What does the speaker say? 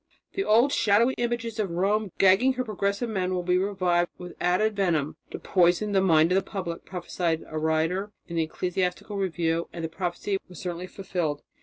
"The old shadowy images of Rome gagging her progressive men will be revived with added venom to poison the mind of the public," prophesied a writer in the Ecclesiastical Review, and the prophecy was certainly fulfilled.